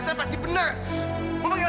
sampai jumpa fadil